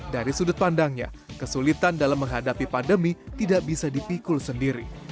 dari sudut pandangnya kesulitan dalam menghadapi pandemi tidak bisa dipikul sendiri